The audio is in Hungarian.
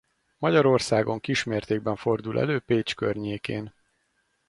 Magyarországon kis mértékben fordul elő Pécs környékén.